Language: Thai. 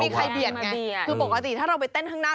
มีใครเบียดไงคือปกติถ้าเราไปเต้นข้างหน้า